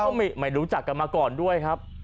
เขาไม่รู้จักกันมาก่อนด้วยครับ